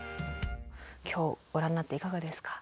今日ご覧になっていかがですか？